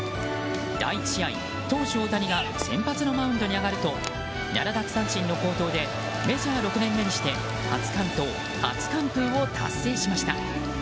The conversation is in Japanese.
第１試合、投手・大谷が先発のマウンドに上がると７奪三振の好投でメジャー６年目にして初完投初完封を達成しました。